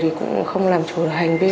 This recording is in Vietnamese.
thì cũng không làm chủ được hành vi